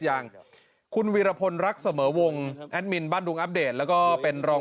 อย่างคุณวีรพลรักเสมอวงแอดมินบ้านดุงอัปเดตแล้วก็เป็นรอง